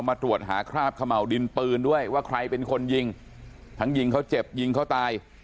มาตรวจหาคราบเขม่าวดินปืนด้วยว่าใครเป็นคนยิงทั้งยิงเขาเจ็บยิงเขาตาย